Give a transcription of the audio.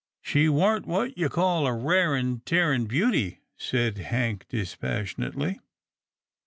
" She warn't what you call a raring tearing beauty," said Hank dispassionately.